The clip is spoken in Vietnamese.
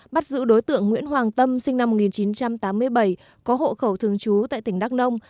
bắt giữ đối tượng nguyễn hoàng tâm sinh năm một nghìn chín trăm tám mươi bảy có hộ khẩu thường trú tại tỉnh đắk nông